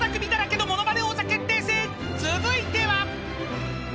［続いては］